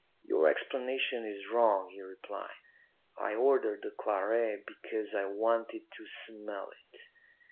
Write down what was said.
"'Your explanation is wrong,' he replied. 'I ordered the claret because I wanted to smell it.'